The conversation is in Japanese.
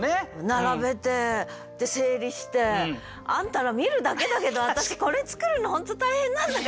並べてで整理して。あんたら見るだけだけど私これ作るの本当大変なんだからね！